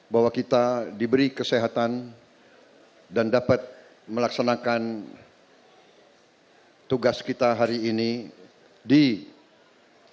bahwa kita diberi kesehatan dan dapat melaksanakan tugas kita hari ini di indonesia